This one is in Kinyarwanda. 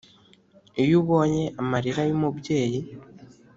Iyo ubonye amalira y'umubyeyi